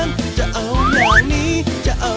ป่อยไม่รักต้มแล้วเหรอ